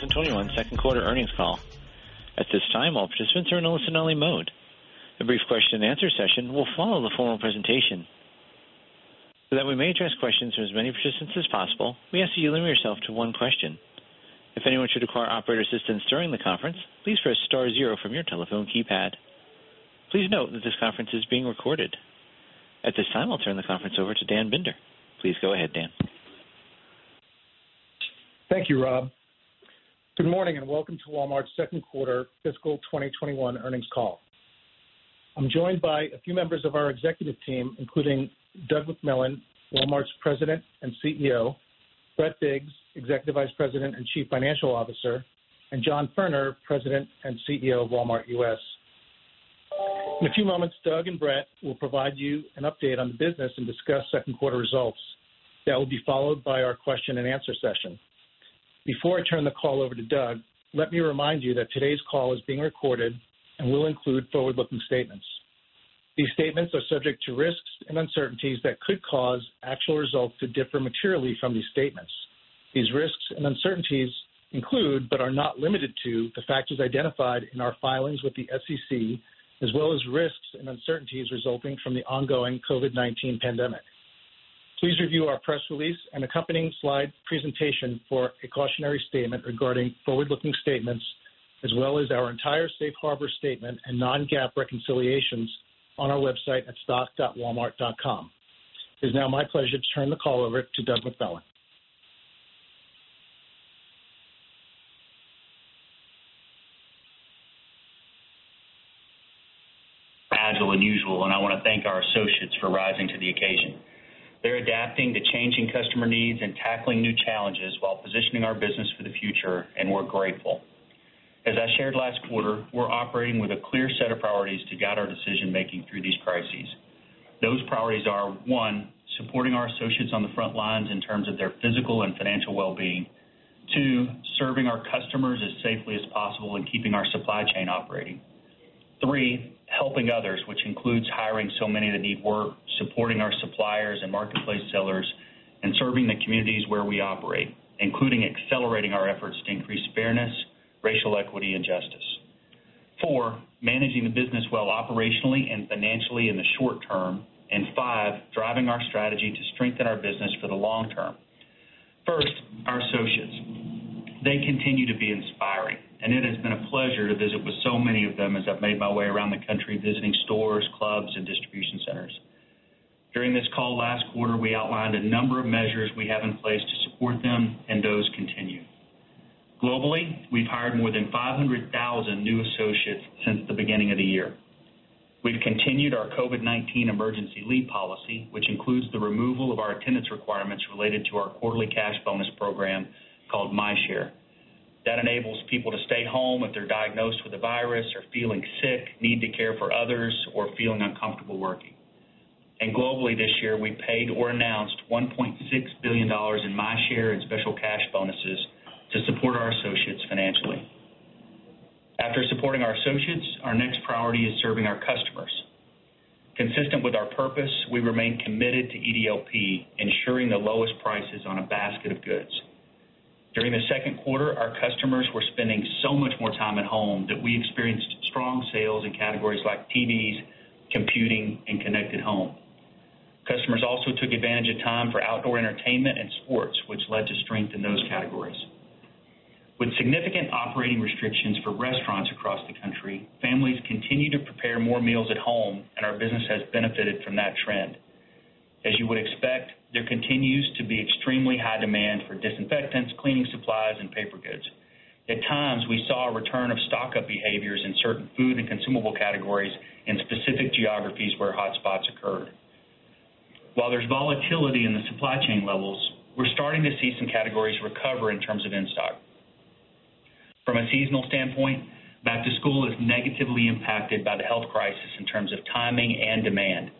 Welcome to Walmart's fiscal year 2021 second quarter earnings call. At this time, I'll turn the conference over to Dan Binder. Please go ahead, Dan. Thank you, Rob. Good morning, welcome to Walmart's second quarter fiscal 2021 earnings call. I'm joined by a few members of our executive team, including Doug McMillon, Walmart's President and CEO, Brett Biggs, Executive Vice President and Chief Financial Officer, and John Furner, President and CEO of Walmart U.S. In a few moments, Doug and Brett will provide you an update on the business and discuss second quarter results. That will be followed by our question and answer session. Before I turn the call over to Doug, let me remind you that today's call is being recorded and will include forward-looking statements. These statements are subject to risks and uncertainties that could cause actual results to differ materially from these statements. These risks and uncertainties include, but are not limited to, the factors identified in our filings with the SEC, as well as risks and uncertainties resulting from the ongoing COVID-19 pandemic. Please review our press release and accompanying slide presentation for a cautionary statement regarding forward-looking statements, as well as our entire safe harbor statement and non-GAAP reconciliations on our website at corporate.walmart.com. It's now my pleasure to turn the call over to Doug McMillon. Agile and usual, and I want to thank our associates for rising to the occasion. They're adapting to changing customer needs and tackling new challenges while positioning our business for the future, and we're grateful. As I shared last quarter, we're operating with a clear set of priorities to guide our decision-making through these crises. Those priorities are, one, supporting our associates on the front lines in terms of their physical and financial well-being. Two, serving our customers as safely as possible and keeping our supply chain operating. Three, helping others, which includes hiring so many that need work, supporting our suppliers and marketplace sellers, and serving the communities where we operate, including accelerating our efforts to increase fairness, racial equity, and justice. Four, managing the business well operationally and financially in the short term, and five, driving our strategy to strengthen our business for the long term. First, our associates. They continue to be inspiring, and it has been a pleasure to visit with so many of them as I've made my way around the country, visiting stores, clubs, and distribution centers. During this call last quarter, we outlined a number of measures we have in place to support them, those continue. Globally, we've hired more than 500,000 new associates since the beginning of the year. We've continued our COVID-19 emergency leave policy, which includes the removal of our attendance requirements related to our quarterly cash bonus program called MyShare. That enables people to stay home if they're diagnosed with the virus or feeling sick, need to care for others, or feeling uncomfortable working. Globally this year, we paid or announced $1.6 billion in MyShare and special cash bonuses to support our associates financially. After supporting our associates, our next priority is serving our customers. Consistent with our purpose, we remain committed to EDLP, ensuring the lowest prices on a basket of goods. During the second quarter, our customers were spending so much more time at home that we experienced strong sales in categories like TVs, computing, and connected home. Customers also took advantage of time for outdoor entertainment and sports, which led to strength in those categories. With significant operating restrictions for restaurants across the country, families continue to prepare more meals at home, and our business has benefited from that trend. As you would expect, there continues to be extremely high demand for disinfectants, cleaning supplies, and paper goods. At times, we saw a return of stock-up behaviors in certain food and consumable categories in specific geographies where hotspots occurred. While there's volatility in the supply chain levels, we're starting to see some categories recover in terms of in-stock. From a seasonal standpoint, back to school is negatively impacted by the health crisis in terms of timing and demand.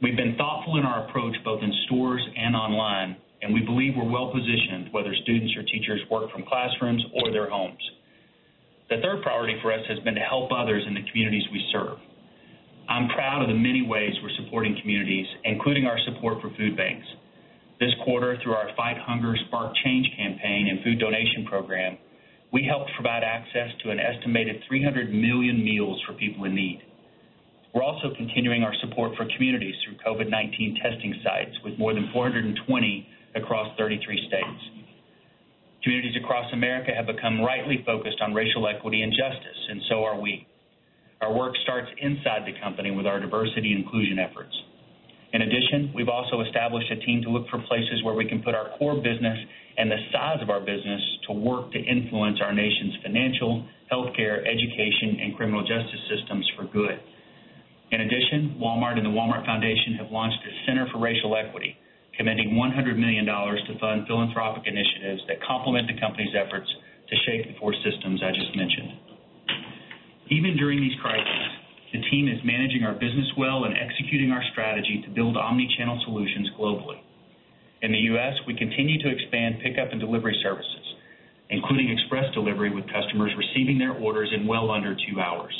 We've been thoughtful in our approach both in stores and online, and we believe we're well-positioned, whether students or teachers work from classrooms or their homes. The third priority for us has been to help others in the communities we serve. I'm proud of the many ways we're supporting communities, including our support for food banks. This quarter, through our Fight Hunger. Spark Change campaign and food donation program, we helped provide access to an estimated 300 million meals for people in need. We're also continuing our support for communities through COVID-19 testing sites, with more than 420 across 33 states. Communities across America have become rightly focused on racial equity and justice. So are we. Our work starts inside the company with our diversity and inclusion efforts. In addition, we've also established a team to look for places where we can put our core business and the size of our business to work to influence our nation's financial, healthcare, education, and criminal justice systems for good. In addition, Walmart and the Walmart Foundation have launched the Center for Racial Equity, committing $100 million to fund philanthropic initiatives that complement the company's efforts to shape the four systems I just mentioned. Even during these crises, the team is managing our business well and executing our strategy to build omnichannel solutions globally. In the U.S., we continue to expand pickup and delivery services, including express delivery with customers receiving their orders in well under two hours.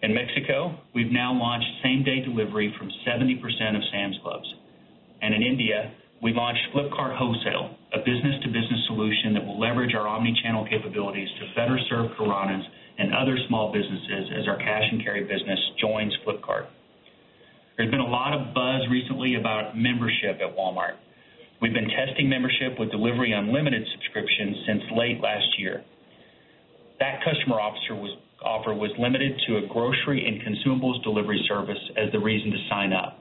In Mexico, we've now launched same-day delivery from 70% of Sam's Clubs. In India, we've launched Flipkart Wholesale, a business-to-business solution that will leverage our omni-channel capabilities to better serve kiranas and other small businesses as our cash-and-carry business joins Flipkart. There's been a lot of buzz recently about membership at Walmart. We've been testing membership with Delivery Unlimited subscriptions since late last year. That customer offer was limited to a grocery and consumables delivery service as the reason to sign up.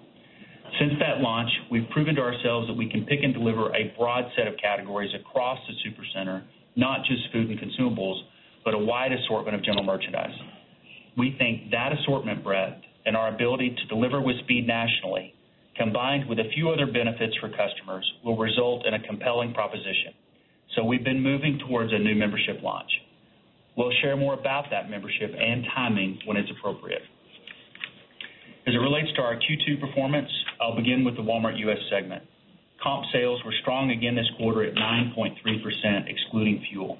Since that launch, we've proven to ourselves that we can pick and deliver a broad set of categories across the Supercenter, not just food and consumables, but a wide assortment of general merchandise. We think that assortment breadth and our ability to deliver with speed nationally, combined with a few other benefits for customers, will result in a compelling proposition, so we've been moving towards a new membership launch. We'll share more about that membership and timing when it's appropriate. As it relates to our Q2 performance, I'll begin with the Walmart U.S. segment. Comp sales were strong again this quarter at 9.3%, excluding fuel.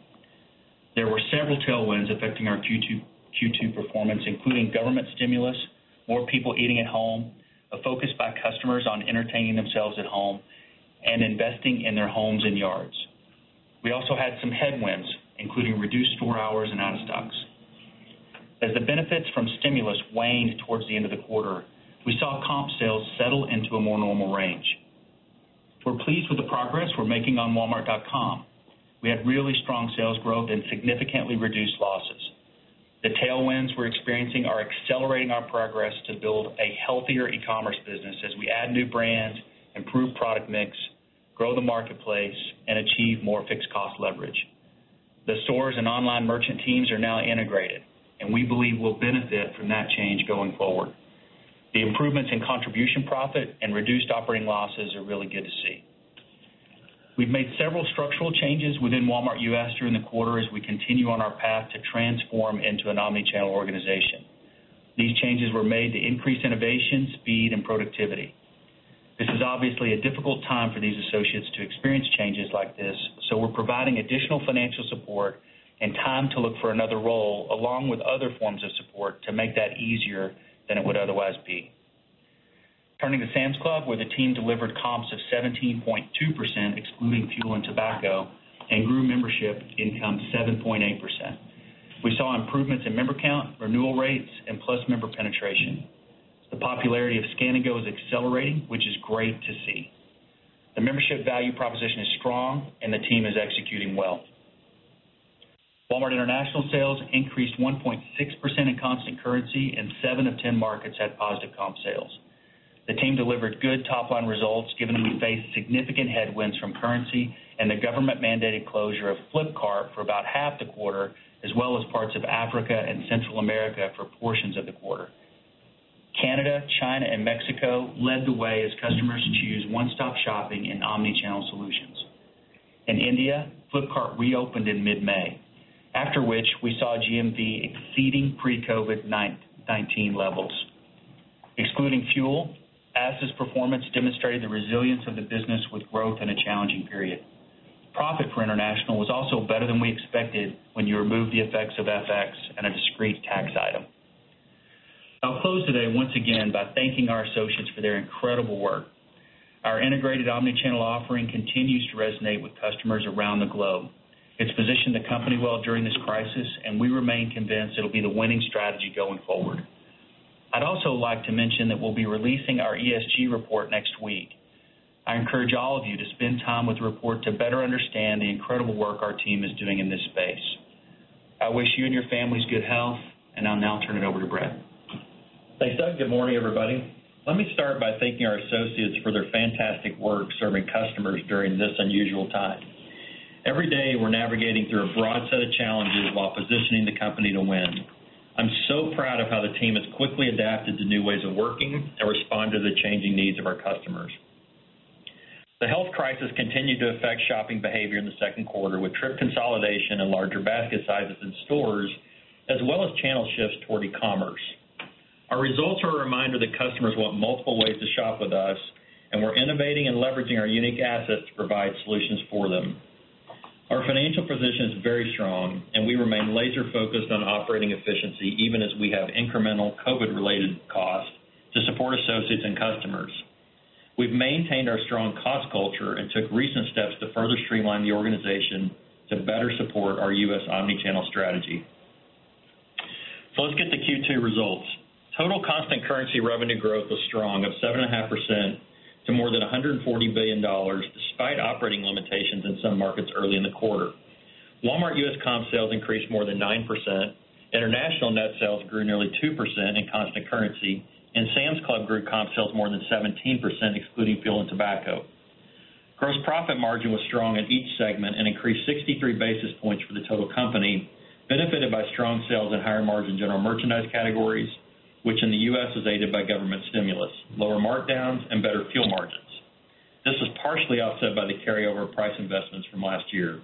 There were several tailwinds affecting our Q2 performance, including government stimulus, more people eating at home, a focus by customers on entertaining themselves at home, and investing in their homes and yards. We also had some headwinds, including reduced store hours and out-of-stocks. As the benefits from stimulus waned towards the end of the quarter, we saw comp sales settle into a more normal range. We're pleased with the progress we're making on walmart.com. We had really strong sales growth and significantly reduced losses. The tailwinds we're experiencing are accelerating our progress to build a healthier e-commerce business as we add new brands, improve product mix, grow the marketplace, and achieve more fixed cost leverage. The stores and online merchant teams are now integrated, and we believe we'll benefit from that change going forward. The improvements in contribution profit and reduced operating losses are really good to see. We've made several structural changes within Walmart U.S. during the quarter as we continue on our path to transform into an omni-channel organization. These changes were made to increase innovation, speed, and productivity. This is obviously a difficult time for these associates to experience changes like this, so we're providing additional financial support and time to look for another role along with other forms of support to make that easier than it would otherwise be. Turning to Sam's Club, where the team delivered comps of 17.2%, excluding fuel and tobacco, and grew membership income 7.8%. We saw improvements in member count, renewal rates, and plus member penetration. The popularity of Scan & Go is accelerating, which is great to see. The membership value proposition is strong and the team is executing well. Walmart international sales increased 1.6% in constant currency and seven of 10 markets had positive comp sales. The team delivered good top-line results given that we faced significant headwinds from currency and the government-mandated closure of Flipkart for about half the quarter, as well as parts of Africa and Central America for portions of the quarter. Canada, China, and Mexico led the way as customers choose one-stop shopping and omni-channel solutions. In India, Flipkart reopened in mid-May, after which we saw GMV exceeding pre-COVID-19 levels. Excluding fuel, Asda's performance demonstrated the resilience of the business with growth in a challenging period. Profit for international was also better than we expected when you remove the effects of FX and a discrete tax item. I'll close today, once again, by thanking our associates for their incredible work. Our integrated omni-channel offering continues to resonate with customers around the globe. It's positioned the company well during this crisis. We remain convinced it'll be the winning strategy going forward. I'd also like to mention that we'll be releasing our ESG report next week. I encourage all of you to spend time with the report to better understand the incredible work our team is doing in this space. I wish you and your families good health. I'll now turn it over to Brett. Thanks, Doug. Good morning, everybody. Let me start by thanking our associates for their fantastic work serving customers during this unusual time. Every day, we're navigating through a broad set of challenges while positioning the company to win. I'm so proud of how the team has quickly adapted to new ways of working and respond to the changing needs of our customers. The health crisis continued to affect shopping behavior in the second quarter with trip consolidation and larger basket sizes in stores, as well as channel shifts toward e-commerce. Our results are a reminder that customers want multiple ways to shop with us. We're innovating and leveraging our unique assets to provide solutions for them. Our financial position is very strong. We remain laser-focused on operating efficiency, even as we have incremental COVID-related costs to support associates and customers. We've maintained our strong cost culture and took recent steps to further streamline the organization to better support our U.S. omni-channel strategy. Let's get to Q2 results. Total constant currency revenue growth was strong of 7.5% to more than $140 billion, despite operating limitations in some markets early in the quarter. Walmart U.S. comp sales increased more than 9%, international net sales grew nearly 2% in constant currency, and Sam's Club grew comp sales more than 17%, excluding fuel and tobacco. Gross profit margin was strong in each segment and increased 63 basis points for the total company, benefited by strong sales and higher margin general merchandise categories, which in the U.S. is aided by government stimulus, lower markdowns, and better fuel margins. This was partially offset by the carryover price investments from last year.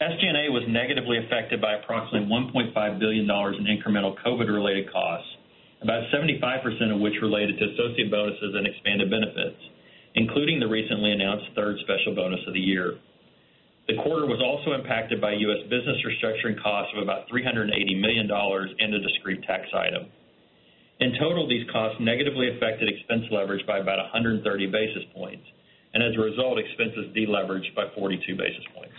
SG&A was negatively affected by approximately $1.5 billion in incremental COVID-related costs, about 75% of which related to associate bonuses and expanded benefits, including the recently announced third special bonus of the year. The quarter was also impacted by U.S. business restructuring costs of about $380 million and a discrete tax item. In total, these costs negatively affected expense leverage by about 130 basis points, and as a result, expenses deleveraged by 42 basis points.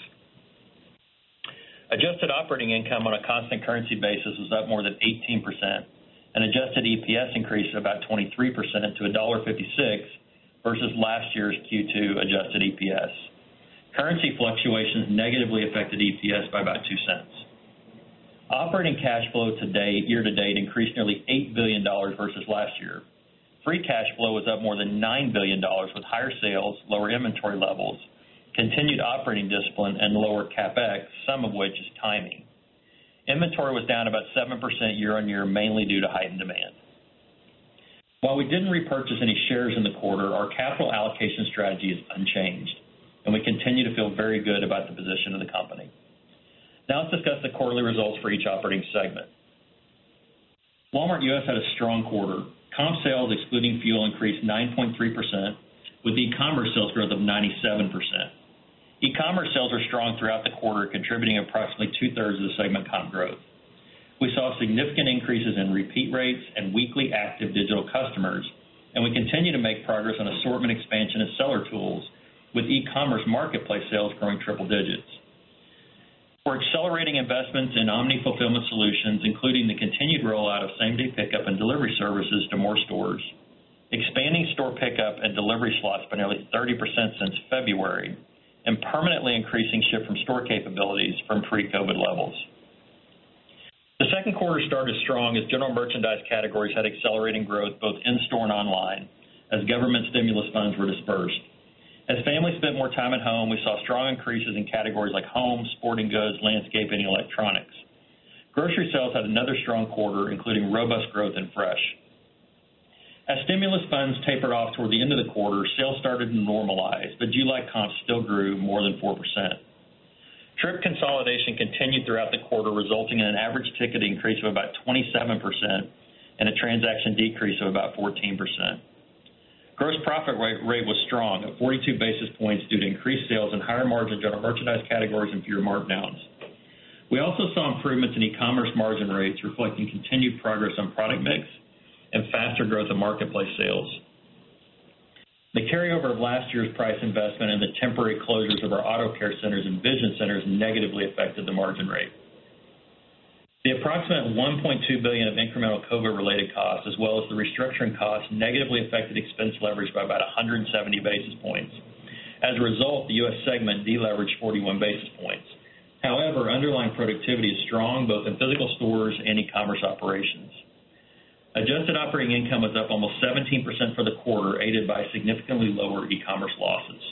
Adjusted operating income on a constant currency basis was up more than 18%, and adjusted EPS increased about 23% to $1.56 versus last year's Q2 adjusted EPS. Currency fluctuations negatively affected EPS by about $0.02. Operating cash flow year to date increased nearly $8 billion versus last year. Free cash flow was up more than $9 billion with higher sales, lower inventory levels, continued operating discipline, and lower CapEx, some of which is timing. Inventory was down about 7% year-on-year, mainly due to heightened demand. While we didn't repurchase any shares in the quarter, our capital allocation strategy is unchanged, and we continue to feel very good about the position of the company. Now let's discuss the quarterly results for each operating segment. Walmart U.S. had a strong quarter. Comp sales, excluding fuel, increased 9.3% with e-commerce sales growth of 97%. E-commerce sales were strong throughout the quarter, contributing approximately two-thirds of the segment comp growth. We saw significant increases in repeat rates and weekly active digital customers, and we continue to make progress on assortment expansion of seller tools, with e-commerce marketplace sales growing triple digits. We're accelerating investments in omni-fulfillment solutions, including the continued rollout of same-day pickup and delivery services to more stores, expanding store pickup and delivery slots by nearly 30% since February, and permanently increasing ship-from-store capabilities from pre-COVID levels. The second quarter started strong as general merchandise categories had accelerating growth both in-store and online as government stimulus funds were dispersed. As families spent more time at home, we saw strong increases in categories like home, sporting goods, landscape, and electronics. Grocery sales had another strong quarter, including robust growth in fresh. As stimulus funds tapered off toward the end of the quarter, sales started to normalize, but July comps still grew more than 4%. Trip consolidation continued throughout the quarter, resulting in an average ticket increase of about 27% and a transaction decrease of about 14%. Gross profit rate was strong at 42 basis points due to increased sales and higher-margin general merchandise categories and fewer markdowns. We also saw improvements in e-commerce margin rates, reflecting continued progress on product mix and faster growth of marketplace sales. The carryover of last year's price investment and the temporary closures of our auto care centers and vision centers negatively affected the margin rate. The approximate $1.2 billion of incremental COVID-related costs, as well as the restructuring costs, negatively affected expense leverage by about 170 basis points. The U.S. segment deleveraged 41 basis points. Underlying productivity is strong both in physical stores and e-commerce operations. Adjusted operating income was up almost 17% for the quarter, aided by significantly lower e-commerce losses.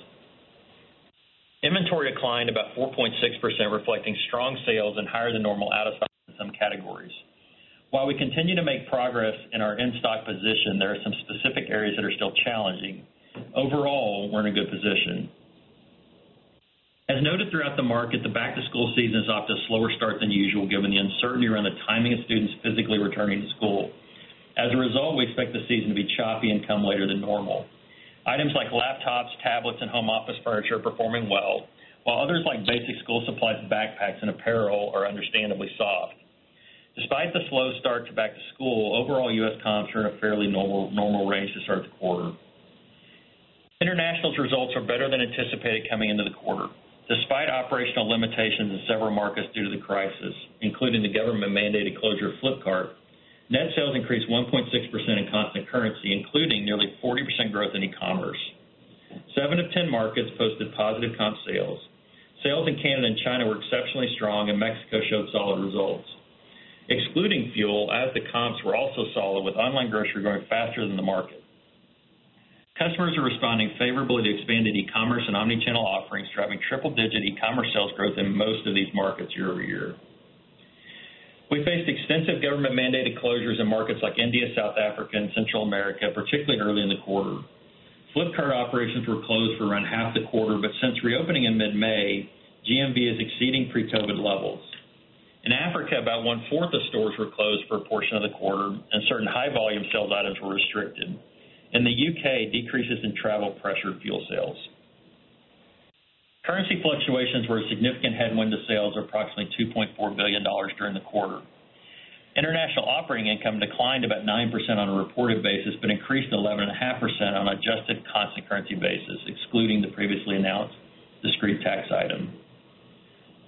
Inventory declined about 4.6%, reflecting strong sales and higher than normal out of stock in some categories. While we continue to make progress in our in-stock position, there are some specific areas that are still challenging. Overall, we're in a good position. As noted throughout the market, the back-to-school season is off to a slower start than usual, given the uncertainty around the timing of students physically returning to school. As a result, we expect the season to be choppy and come later than normal. Items like laptops, tablets, and home office furniture are performing well, while others like basic school supplies and backpacks and apparel are understandably soft. Despite the slow start to back-to-school, overall U.S. comps are in a fairly normal range to start the quarter. International's results are better than anticipated coming into the quarter. Despite operational limitations in several markets due to the crisis, including the government-mandated closure of Flipkart, net sales increased 1.6% in constant currency, including nearly 40% growth in e-commerce. Seven of 10 markets posted positive comp sales. Sales in Canada and China were exceptionally strong, and Mexico showed solid results. Excluding fuel, Asda comps were also solid with online grocery growing faster than the market. Customers are responding favorably to expanded e-commerce and omnichannel offerings, driving triple-digit e-commerce sales growth in most of these markets year-over-year. We faced extensive government-mandated closures in markets like India, South Africa, and Central America, particularly early in the quarter. Flipkart operations were closed for around half the quarter, but since reopening in mid-May, GMV is exceeding pre-COVID levels. In Africa, about one-fourth of stores were closed for a portion of the quarter, and certain high-volume sales items were restricted. In the U.K., decreases in travel pressured fuel sales. Currency fluctuations were a significant headwind to sales of approximately $2.4 billion during the quarter. International operating income declined about 9% on a reported basis, but increased 11.5% on adjusted constant currency basis, excluding the previously announced discrete tax item.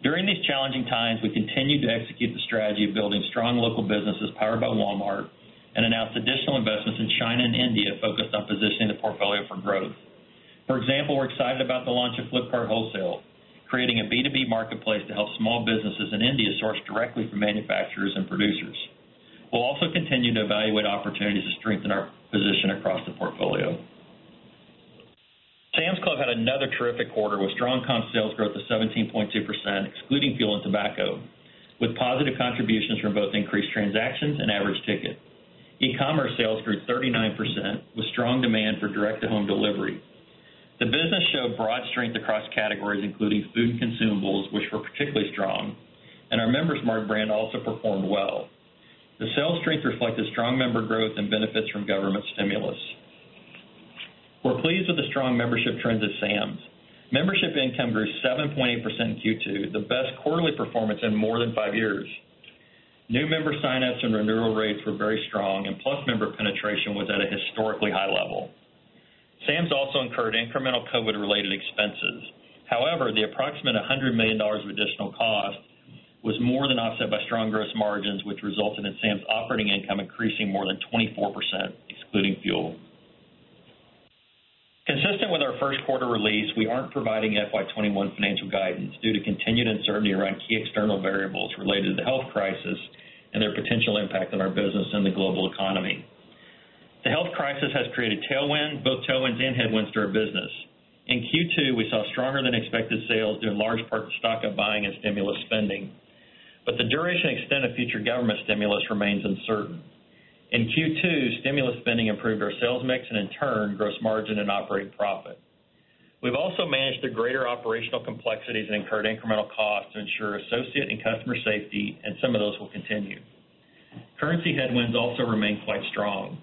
During these challenging times, we continued to execute the strategy of building strong local businesses powered by Walmart and announced additional investments in China and India focused on positioning the portfolio for growth. For example, we are excited about the launch of Flipkart Wholesale, creating a B2B marketplace to help small businesses in India source directly from manufacturers and producers. We will also continue to evaluate opportunities to strengthen our position across the portfolio. Sam's Club had another terrific quarter with strong comp sales growth of 17.2%, excluding fuel and tobacco, with positive contributions from both increased transactions and average ticket. E-commerce sales grew 39% with strong demand for direct-to-home delivery. The business showed broad strength across categories, including food and consumables, which were particularly strong, and our Member's Mark brand also performed well. The sales strength reflected strong member growth and benefits from government stimulus. We're pleased with the strong membership trends at Sam's. Membership income grew 7.8% in Q2, the best quarterly performance in more than five years. New member sign-ups and renewal rates were very strong, and plus member penetration was at a historically high level. Sam's also incurred incremental COVID-related expenses. The approximate $100 million of additional cost was more than offset by strong gross margins, which resulted in Sam's operating income increasing more than 24%, excluding fuel. Consistent with our first quarter release, we aren't providing FY 2021 financial guidance due to continued uncertainty around key external variables related to the health crisis and their potential impact on our business and the global economy. The health crisis has created tailwinds, both tailwinds and headwinds to our business. In Q2, we saw stronger than expected sales due in large part to stock-up buying and stimulus spending. The duration extent of future government stimulus remains uncertain. In Q2, stimulus spending improved our sales mix, and in turn, gross margin and operating profit. We've also managed the greater operational complexities and incurred incremental costs to ensure associate and customer safety, and some of those will continue. Currency headwinds also remain quite strong.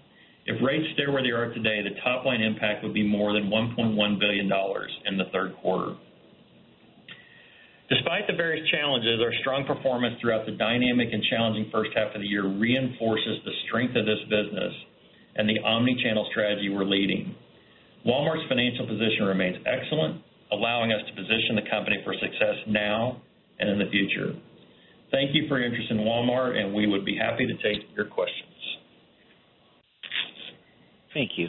If rates stay where they are today, the top line impact would be more than $1.1 billion in the third quarter. Despite the various challenges, our strong performance throughout the dynamic and challenging first half of the year reinforces the strength of this business and the omni-channel strategy we're leading. Walmart's financial position remains excellent, allowing us to position the company for success now and in the future. Thank you for your interest in Walmart. We would be happy to take your questions. Thank you.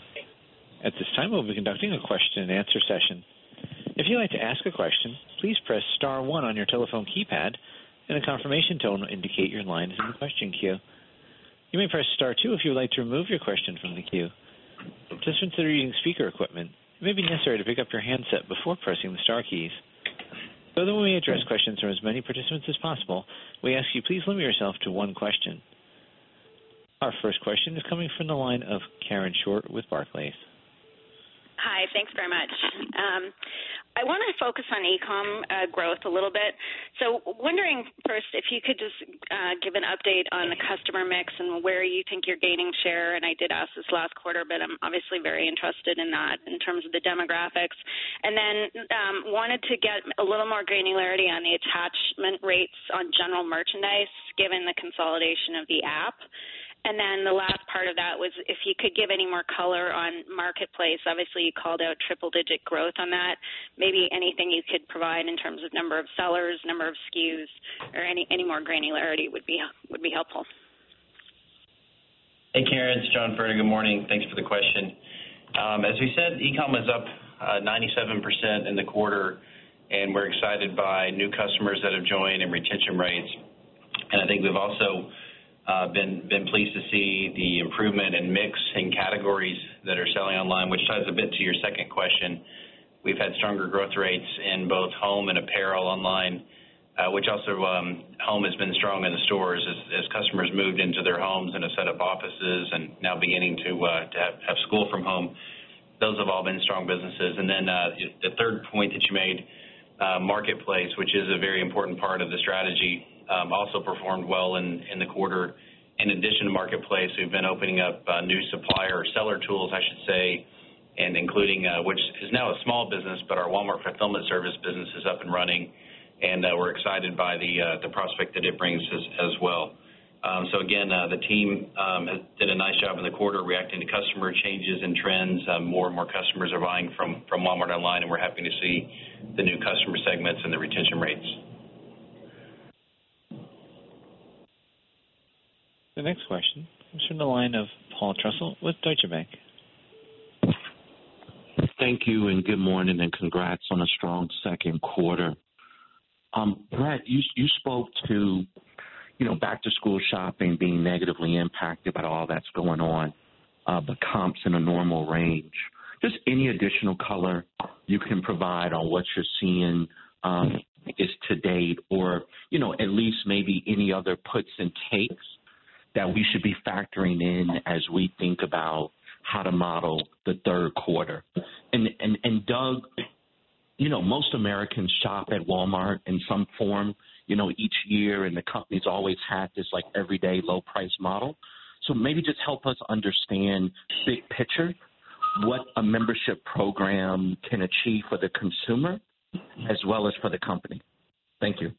At this time, we'll be conducting a question and answer session. If you would like to ask a question please press star one on your telephone keypad and a confirmation tone indicate you to the queue. You may press star two if you wish to remove your question from the queue. So that we may address questions from as many participants as possible, we ask you please limit yourself to one question. Our first question is coming from the line of Karen Short with Barclays. Hi, thanks very much. I want to focus on e-com growth a little bit. Wondering, first, if you could just give an update on the customer mix and where you think you're gaining share, and I did ask this last quarter, but I'm obviously very interested in that in terms of the demographics. Then wanted to get a little more granularity on the attachment rates on general merchandise, given the consolidation of the app. Then the last part of that was if you could give any more color on Marketplace. Obviously, you called out triple-digit growth on that. Maybe anything you could provide in terms of number of sellers, number of SKUs, or any more granularity would be helpful. Hey, Karen. It's John Furner. Good morning. Thanks for the question. As we said, e-com was up 97% in the quarter, we're excited by new customers that have joined and retention rates. I think we've also been pleased to see the improvement in mix in categories that are selling online, which ties a bit to your second question. We've had stronger growth rates in both home and apparel online. Home has been strong in the stores as customers moved into their homes and have set up offices and now beginning to have school from home. Those have all been strong businesses. Then, the third point that you made, Marketplace, which is a very important part of the strategy, also performed well in the quarter. In addition to Marketplace, we've been opening up new supplier, seller tools, I should say, and including, which is now a small business, but our Walmart Fulfillment Services business is up and running, and we're excited by the prospect that it brings as well. Again, the team did a nice job in the quarter reacting to customer changes and trends. More and more customers are buying from Walmart online, and we're happy to see the new customer segments and the retention rates. The next question comes from the line of Paul Trussell with Deutsche Bank. Thank you and good morning, and congrats on a strong second quarter. Brett, you spoke to back-to-school shopping being negatively impacted by all that's going on, but comps in a normal range. Just any additional color you can provide on what you're seeing is to date or at least maybe any other puts and takes that we should be factoring in as we think about how to model the third quarter? Doug, most Americans shop at Walmart in some form each year, and the company's always had this everyday low price model. Maybe just help us understand big picture, what a membership program can achieve for the consumer as well as for the company. Thank you.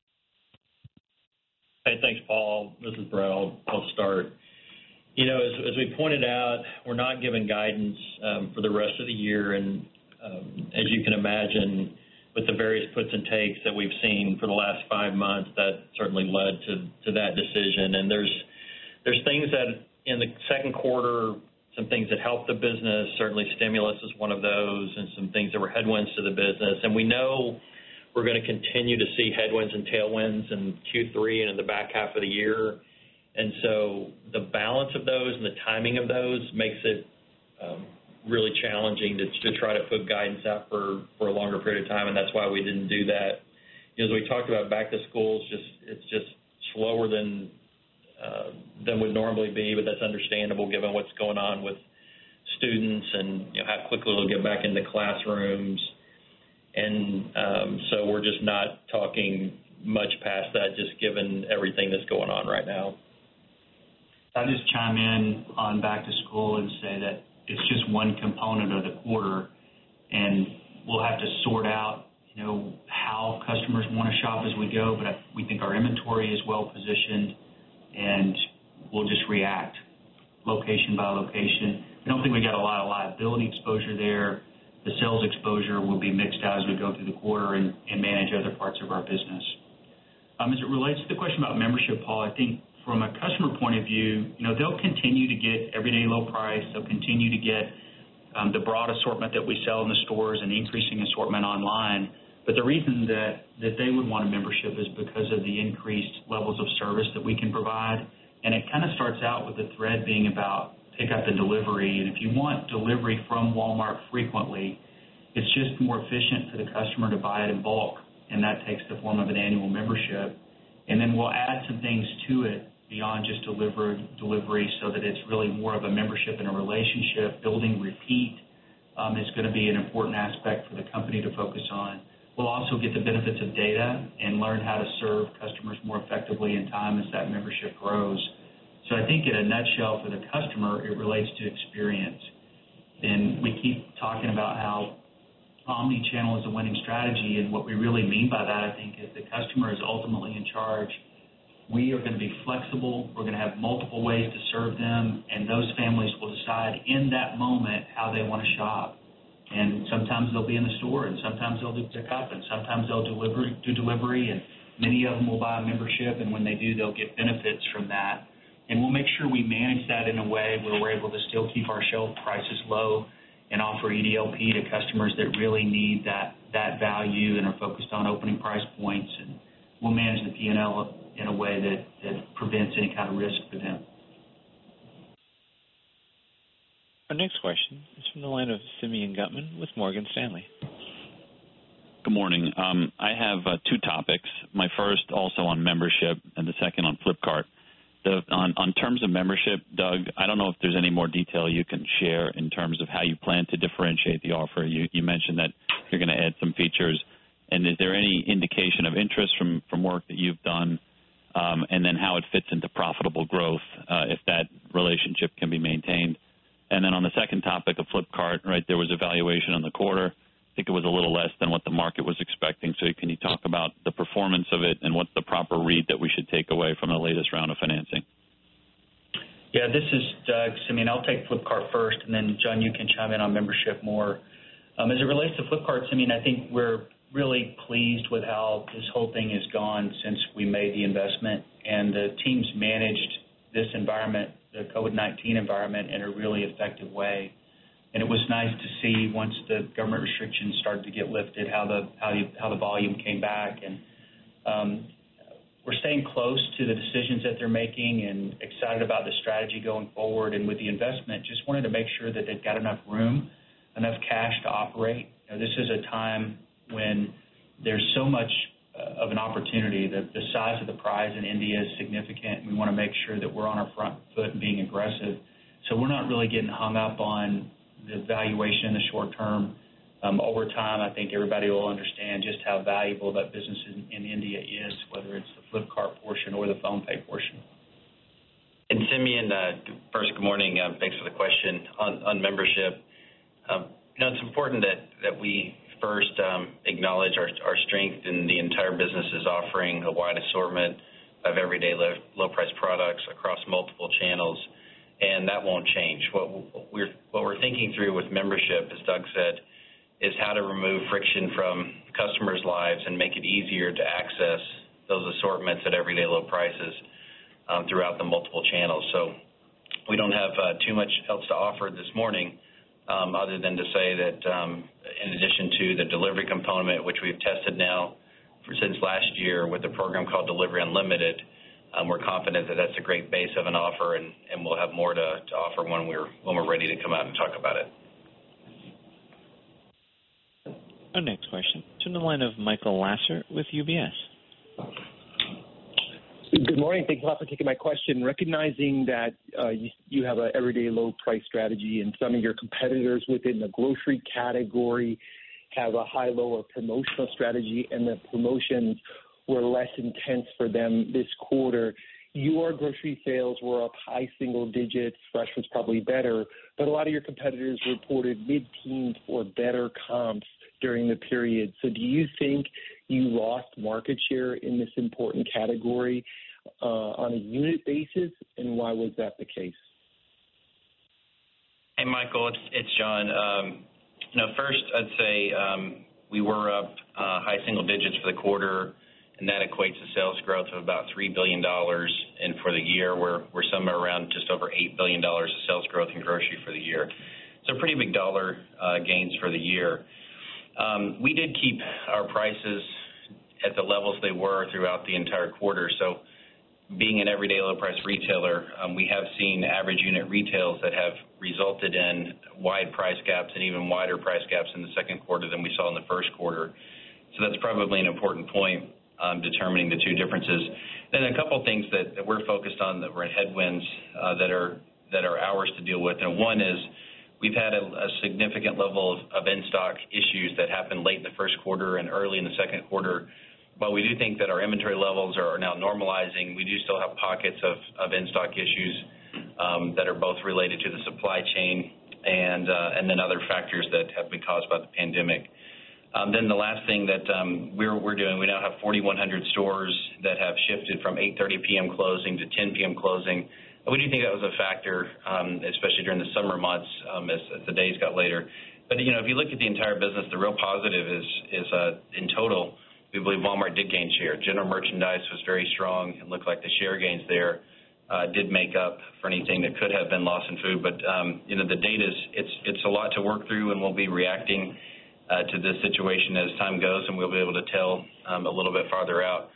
Hey, thanks, Paul. This is Brett. I'll start. As we pointed out, we're not giving guidance for the rest of the year, and as you can imagine, with the various puts and takes that we've seen for the last five months, that certainly led to that decision. There's things that in the second quarter, some things that helped the business, certainly stimulus is one of those, and some things that were headwinds to the business. We know we're going to continue to see headwinds and tailwinds in Q3 and in the back half of the year. The balance of those and the timing of those makes it really challenging to try to put guidance out for a longer period of time, and that's why we didn't do that. As we talked about back to school, it's just slower than would normally be, but that's understandable given what's going on with students and how quickly they'll get back into classrooms. We're just not talking much past that, just given everything that's going on right now. I'll just chime in on back to school and say that it's just one component of the quarter, and we'll have to sort out how customers want to shop as we go. We think our inventory is well-positioned, and we'll just react location by location. I don't think we got a lot of liability exposure there. The sales exposure will be mixed as we go through the quarter and manage other parts of our business. As it relates to the question about membership, Paul, I think from a customer point of view, they'll continue to get everyday low price. They'll continue to get the broad assortment that we sell in the stores and the increasing assortment online. The reason that they would want a membership is because of the increased levels of service that we can provide. It kind of starts out with the thread being about pickup and delivery. If you want delivery from Walmart frequently, it's just more efficient for the customer to buy it in bulk, and that takes the form of an annual membership. We'll add some things to it beyond just delivery, so that it's really more of a membership and a relationship. Building repeat is going to be an important aspect for the company to focus on. We'll also get the benefits of data and learn how to serve customers more effectively in time as that membership grows. I think in a nutshell, for the customer, it relates to experience. We keep talking about how omni-channel is a winning strategy, and what we really mean by that, I think, is the customer is ultimately in charge. We are going to be flexible. We're going to have multiple ways to serve them, and those families will decide in that moment how they want to shop. Sometimes they'll be in the store, and sometimes they'll do pickup, and sometimes they'll do delivery, and many of them will buy a membership. When they do, they'll get benefits from that. We'll make sure we manage that in a way where we're able to still keep our shelf prices low and offer EDLP to customers that really need that value and are focused on opening price points. We'll manage the P&L in a way that prevents any kind of risk for them. Our next question is from the line of Simeon Gutman with Morgan Stanley. Good morning. I have two topics. My first also on membership and the second on Flipkart. In terms of membership, Doug, I don't know if there's any more detail you can share in terms of how you plan to differentiate the offer. You mentioned that you're going to add some features, and is there any indication of interest from work that you've done, and then how it fits into profitable growth if that relationship can be maintained? Then on the second topic of Flipkart, there was evaluation on the quarter. I think it was a little less than what the market was expecting. Can you talk about the performance of it and what's the proper read that we should take away from the latest round of financing? This is Doug, Simeon. I'll take Flipkart first, then John, you can chime in on membership more. As it relates to Flipkart, Simeon, I think we're really pleased with how this whole thing has gone since we made the investment, and the team's managed this environment, the COVID-19 environment, in a really effective way. It was nice to see once the government restrictions started to get lifted, how the volume came back. We're staying close to the decisions that they're making and excited about the strategy going forward. With the investment, just wanted to make sure that they've got enough room, enough cash to operate. This is a time when there's so much of an opportunity that the size of the prize in India is significant, and we want to make sure that we're on our front foot and being aggressive. We're not really getting hung up on the valuation in the short term. Over time, I think everybody will understand just how valuable that business in India is, whether it's the Flipkart portion or the PhonePe portion. Simeon, first, good morning. Thanks for the question. On membership, it's important that we first acknowledge our strength in the entire business is offering a wide assortment of everyday low price products across multiple channels, and that won't change. What we're thinking through with membership, as Doug said, is how to remove friction from customers' lives and make it easier to access those assortments at everyday low prices throughout the multiple channels. We don't have too much else to offer this morning other than to say that in addition to the delivery component, which we've tested now since last year with a program called Delivery Unlimited, we're confident that that's a great base of an offer, and we'll have more to offer when we're ready to come out and talk about it. Our next question to the line of Michael Lasser with UBS. Good morning. Thanks a lot for taking my question. Recognizing that you have an everyday low price strategy and some of your competitors within the grocery category have a high-low or promotional strategy, and the promotions were less intense for them this quarter. Your grocery sales were up high single digits. Fresh was probably better. A lot of your competitors reported mid-teens or better comps during the period. Do you think you lost market share in this important category on a unit basis, and why was that the case? Hey, Michael, it's John. I'd say we were up high single digits for the quarter, and that equates to sales growth of about $3 billion. For the year, we're somewhere around just over $8 billion of sales growth in grocery for the year. Pretty big dollar gains for the year. We did keep our prices at the levels they were throughout the entire quarter. Being an everyday low price retailer, we have seen average unit retails that have resulted in wide price gaps and even wider price gaps in the second quarter than we saw in the first quarter. That's probably an important point determining the two differences. A couple of things that we're focused on that were headwinds that are ours to deal with. One is, we've had a significant level of in-stock issues that happened late in the first quarter and early in the second quarter. We do think that our inventory levels are now normalizing. We do still have pockets of in-stock issues that are both related to the supply chain and then other factors that have been caused by the pandemic. The last thing that we're doing, we now have 4,100 stores that have shifted from 8:30 P.M. closing to 10:00 P.M. closing. We do think that was a factor, especially during the summer months, as the days got later. If you look at the entire business, the real positive is, in total, we believe Walmart did gain share. General merchandise was very strong and looked like the share gains there did make up for anything that could have been lost in food. The data, it's a lot to work through, and we'll be reacting to this situation as time goes, and we'll be able to tell a little bit farther out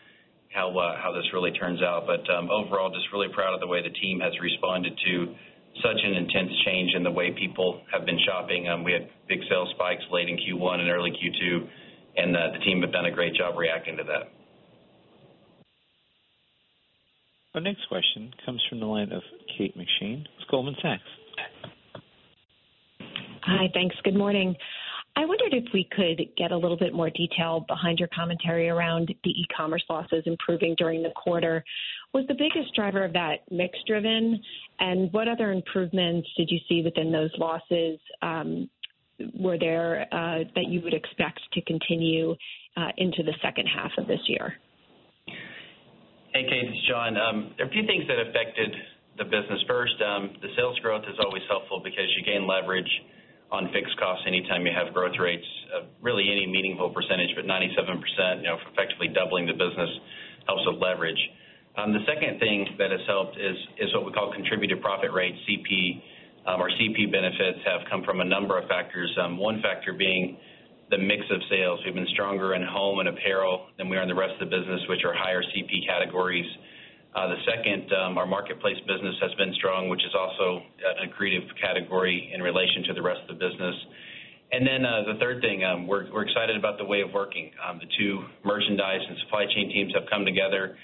how this really turns out. Overall, just really proud of the way the team has responded to such an intense change in the way people have been shopping. We had big sales spikes late in Q1 and early Q2, and the team have done a great job reacting to that. Our next question comes from the line of Kate McShane with Goldman Sachs. Hi, thanks. Good morning. I wondered if we could get a little bit more detail behind your commentary around the e-commerce losses improving during the quarter. Was the biggest driver of that mix-driven, and what other improvements did you see within those losses that you would expect to continue into the second half of this year? Hey, Kate, it's John. There are a few things that affected the business. First, the sales growth is always helpful because you gain leverage on fixed costs anytime you have growth rates of really any meaningful percentage, but 97%, effectively doubling the business, helps with leverage. The second thing that has helped is what we call contribution profit rate. CP. Our CP benefits have come from a number of factors. One factor being the mix of sales. We've been stronger in home and apparel than we are in the rest of the business, which are higher CP categories. The second, our marketplace business has been strong, which is also an accretive category in relation to the rest of the business. The third thing, we're excited about the way of working. The two merchandise and supply chain teams have come together,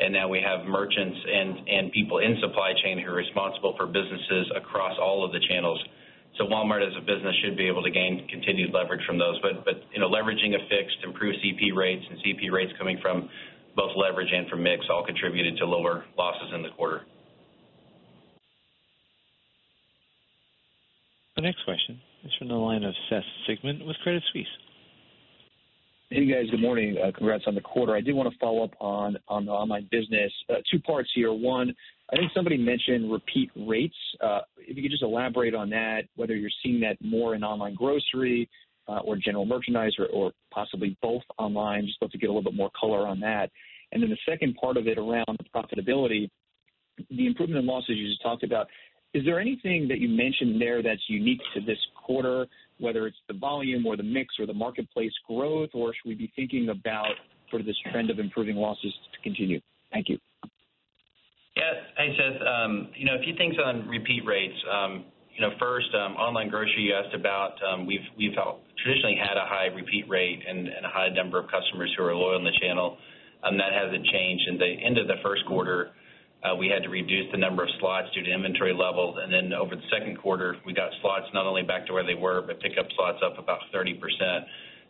and now we have merchants and people in supply chain who are responsible for businesses across all of the channels. Walmart as a business should be able to gain continued leverage from those. Leveraging a fixed improved CP rates and CP rates coming from both leverage and from mix all contributed to lower losses in the quarter. The next question is from the line of Seth Sigman with Credit Suisse. Hey, guys. Good morning. Congrats on the quarter. I did want to follow up on the online business. Two parts here. One, I think somebody mentioned repeat rates. If you could just elaborate on that, whether you're seeing that more in online grocery or general merchandise or possibly both online. Just love to get a little bit more color on that. The second part of it around profitability, the improvement in losses you just talked about, is there anything that you mentioned there that's unique to this quarter, whether it's the volume or the mix or the marketplace growth, or should we be thinking about this trend of improving losses to continue? Thank you. Yes. Hey, Seth. A few things on repeat rates. Online grocery, you asked about, we've traditionally had a high repeat rate and a high number of customers who are loyal in the channel. That hasn't changed. In the end of the first quarter, we had to reduce the number of slots due to inventory levels, and then over the second quarter, we got slots not only back to where they were, but pickup slots up about 30%.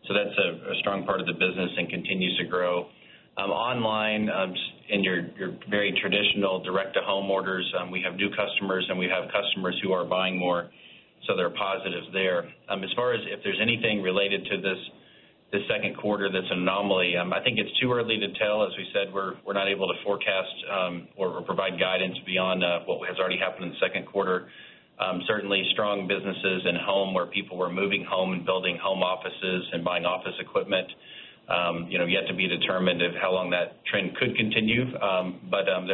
That's a strong part of the business and continues to grow. Online, in your very traditional direct-to-home orders, we have new customers, and we have customers who are buying more, so there are positives there. As far as if there's anything related to this second quarter that's an anomaly, I think it's too early to tell. As we said, we're not able to forecast or provide guidance beyond what has already happened in the second quarter. Certainly, strong businesses in home, where people were moving home and building home offices and buying office equipment. Yet to be determined of how long that trend could continue. There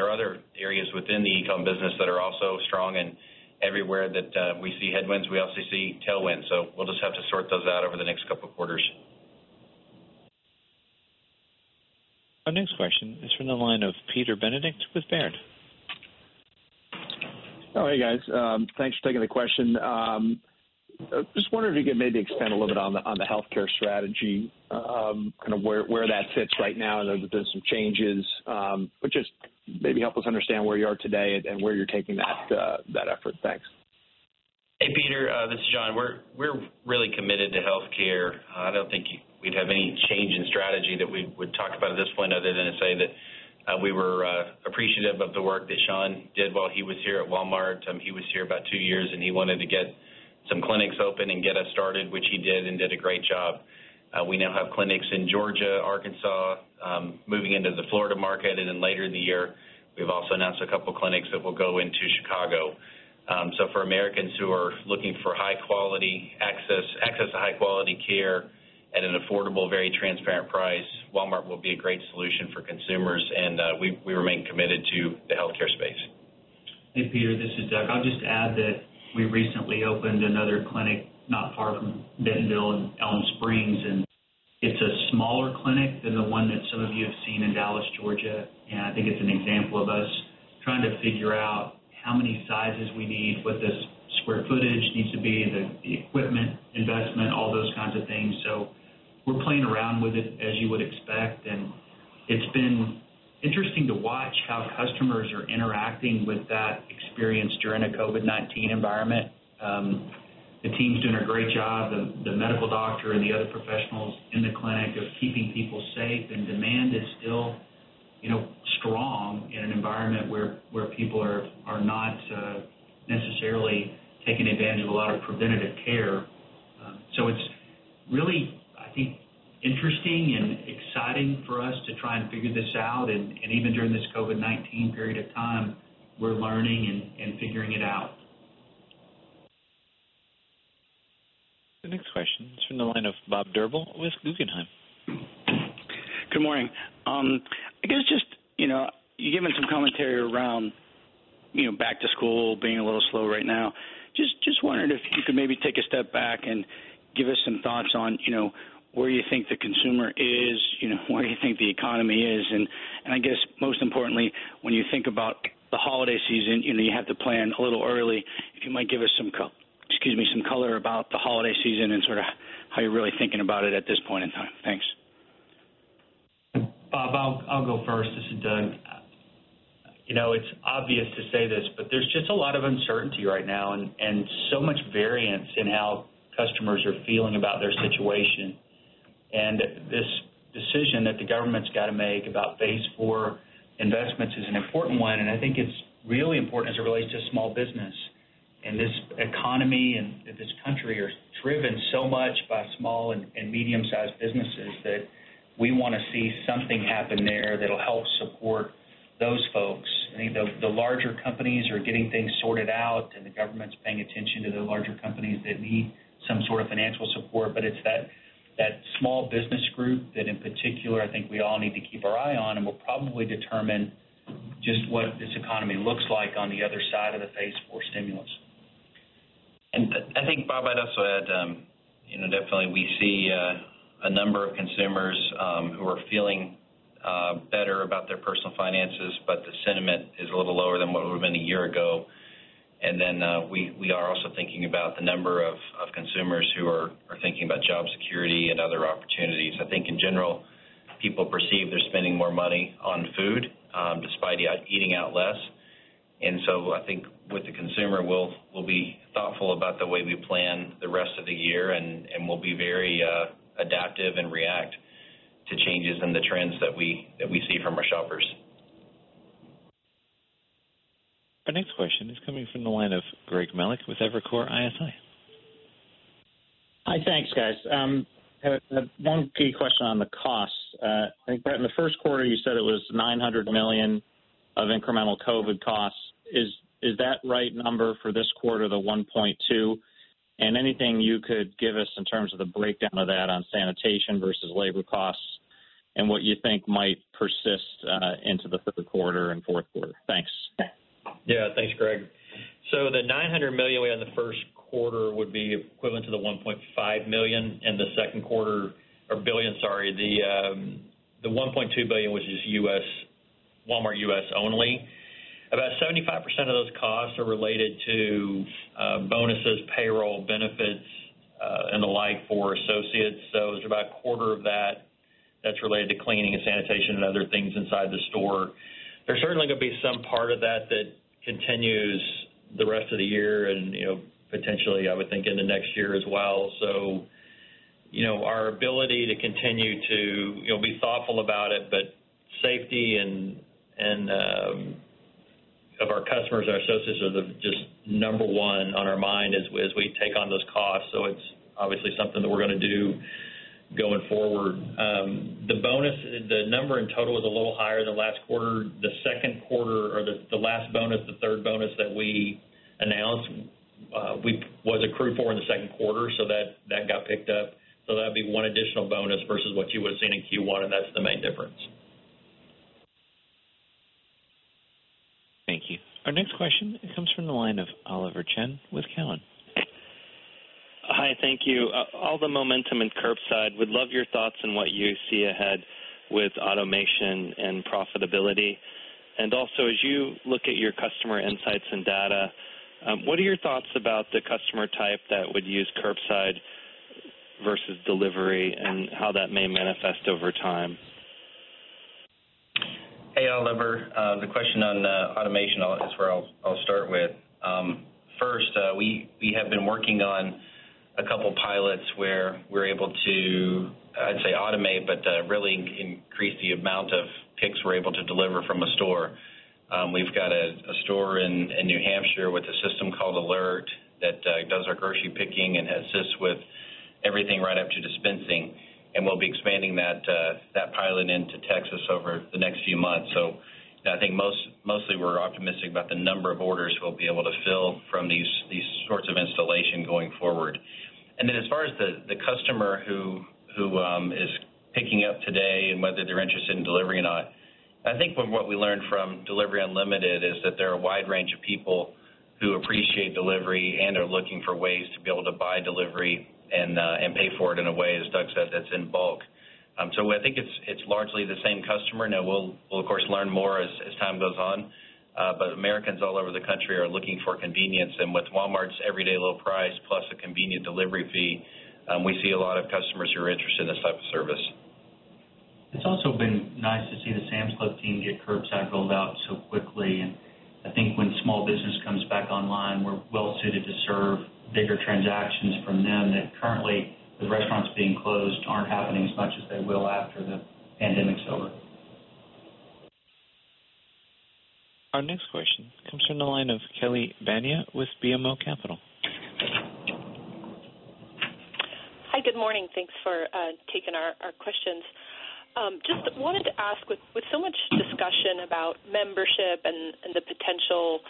are other areas within the e-com business that are also strong, and everywhere that we see headwinds, we also see tailwinds. We'll just have to sort those out over the next couple of quarters. Our next question is from the line of Peter Benedict with Baird. Oh, hey, guys. Thanks for taking the question. Just wondering if you could maybe expand a little bit on the healthcare strategy, where that sits right now. I know that there's been some changes. Just maybe help us understand where you are today and where you're taking that effort. Thanks. Hey, Peter. This is John. We're really committed to healthcare. I don't think we'd have any change in strategy that we would talk about at this point other than to say that we were appreciative of the work that Sean did while he was here at Walmart. He was here about two years, and he wanted to get some clinics open and get us started, which he did and did a great job. We now have clinics in Georgia, Arkansas, moving into the Florida market, and later in the year, we've also announced a couple clinics that will go into Chicago. For Americans who are looking for access to high-quality care at an affordable, very transparent price, Walmart will be a great solution for consumers, and we remain committed to the healthcare space. Hey, Peter, this is Doug. I'll just add that we recently opened another clinic not far from Bentonville in Elm Springs. It's a smaller clinic than the one that some of you have seen in Dallas, Georgia. I think it's an example of us trying to figure out how many sizes we need, what the square footage needs to be, the equipment investment, all those kinds of things. We're playing around with it, as you would expect. It's been interesting to watch how customers are interacting with that experience during a COVID-19 environment. The team's doing a great job, the medical doctor and the other professionals in the clinic, of keeping people safe. Demand is still strong in an environment where people are not necessarily taking advantage of a lot of preventative care. It's really, I think, interesting and exciting for us to try and figure this out, and even during this COVID-19 period of time, we're learning and figuring it out. The next question is from the line of Bob Drbul with Guggenheim. Good morning. I guess, just, you've given some commentary around back to school being a little slow right now. Just wondered if you could maybe take a step back and give us some thoughts on where you think the consumer is, where you think the economy is, and I guess most importantly, when you think about the holiday season, you have to plan a little early. If you might give us some color about the holiday season and how you're really thinking about it at this point in time. Thanks. Bob, I'll go first. This is Doug. It's obvious to say this, there's just a lot of uncertainty right now, and so much variance in how customers are feeling about their situation. This decision that the government's got to make about phase four investments is an important one, and I think it's really important as it relates to small business. This economy and this country are driven so much by small and medium sized businesses that we want to see something happen there that'll help support those folks. We got the larger companies are getting things sorted out, and the government's paying attention to the larger companies that need some sort of financial support. It's that small business group that in particular, I think we all need to keep our eye on and will probably determine just what this economy looks like on the other side of the phase 4 stimulus. I think, Bob, I'd also add, definitely we see a number of consumers who are feeling better about their personal finances, but the sentiment is a little lower than what it would've been a year ago. We are also thinking about the number of consumers who are thinking about job security and other opportunities. I think in general, people perceive they're spending more money on food, despite eating out less. I think with the consumer, we'll be thoughtful about the way we plan the rest of the year, and we'll be very adaptive and react to changes in the trends that we see from our shoppers. Our next question is coming from the line of Greg Melich with Evercore ISI. Hi, thanks, guys. One key question on the costs. I think, Brett, in the first quarter, you said it was $900 million of incremental COVID costs. Is that right number for this quarter, the $1.2? Anything you could give us in terms of the breakdown of that on sanitation versus labor costs, and what you think might persist into the third quarter and fourth quarter? Thanks. Yeah. Thanks, Greg. The $900 million we had in the first quarter would be equivalent to the $1.5 million in the second quarter. Or billion, sorry. The $1.2 billion, which is Walmart U.S. only. About 75% of those costs are related to bonuses, payroll benefits, and the like for associates. It's about a quarter of that's related to cleaning and sanitation and other things inside the store. There's certainly going to be some part of that that continues the rest of the year and, potentially, I would think into next year as well. Our ability to continue to be thoughtful about it, but safety of our customers and our associates are just number one on our mind as we take on those costs. It's obviously something that we're going to do going forward. The number in total is a little higher than last quarter. The last bonus, the third bonus that we announced, was accrued for in the second quarter, so that got picked up. That'd be one additional bonus versus what you would've seen in Q1, and that's the main difference. Thank you. Our next question comes from the line of Oliver Chen with Cowen. Hi, thank you. All the momentum in curbside, would love your thoughts on what you see ahead with automation and profitability. Also, as you look at your customer insights and data, what are your thoughts about the customer type that would use curbside versus delivery, and how that may manifest over time? Hey, Oliver. The question on automation is where I'll start with. First, we have been working on a couple pilots where we're able to, I'd say automate, but really increase the amount of picks we're able to deliver from a store. We've got a store in New Hampshire with a system called Alphabot that does our grocery picking and assists with everything right up to dispensing. We'll be expanding that pilot into Texas over the next few months. I think mostly we're optimistic about the number of orders we'll be able to fill from these sorts of installation going forward. As far as the customer who is picking up today and whether they're interested in delivery or not, I think from what we learned from Delivery Unlimited is that there are a wide range of people who appreciate delivery and are looking for ways to be able to buy delivery and pay for it in a way, as Doug said, that's in bulk. I think it's largely the same customer. Now we'll of course learn more as time goes on. Americans all over the country are looking for convenience, and with Walmart's everyday low price plus a convenient delivery fee, we see a lot of customers who are interested in this type of service. It's also been nice to see the Sam's Club team get curbside rolled out so quickly. I think when small business comes back online, we're well-suited to serve bigger transactions from them that currently, with restaurants being closed, aren't happening as much as they will after the pandemic's over. Our next question comes from the line of Kelly Bania with BMO Capital. Hi. Good morning. Thanks for taking our questions. Just wanted to ask, with so much discussion about membership and the potential